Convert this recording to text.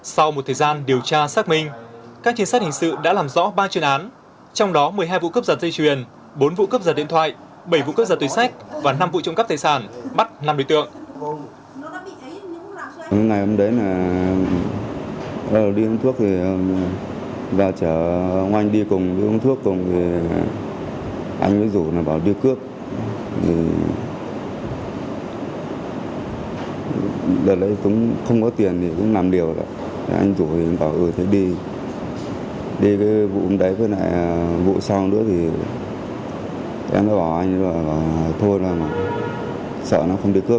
sau một thời gian điều tra xác minh các chiến sát hành sự đã làm rõ ba chuyên án trong đó một mươi hai vụ cướp giật dây truyền bốn vụ cướp giật điện thoại bảy vụ cướp giật tuyên sách và năm vụ trộm cắp tài sản bắt năm đối tượng